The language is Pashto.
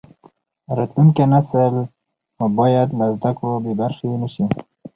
راتلونکی نسل مو باید له زده کړو بې برخې نشي.